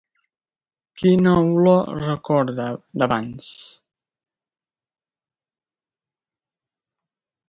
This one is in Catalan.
Quina olor recorda d'abans?